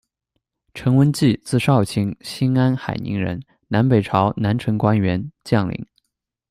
程文季，字少卿，新安海宁人，南北朝南陈官员、将领。